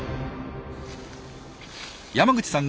山口さん